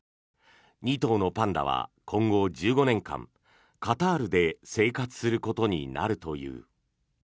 ２頭のパンダは今後１５年間カタールで生活することになるという。